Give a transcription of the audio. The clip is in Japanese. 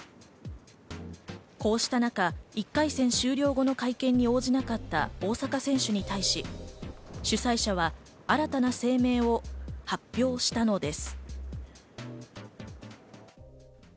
こうした中、１回戦終了後の会見に応じなかった大坂選手に対し、主催者は新たな声明を発表したのです。